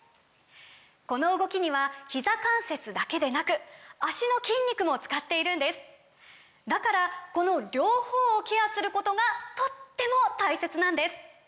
この動きにはひざ関節だけでなく脚の筋肉も使っているんですだからこの両方をケアすることがとっても大切なんです！